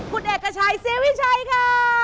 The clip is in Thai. คุณเอกชัยศรีวิชัยค่ะ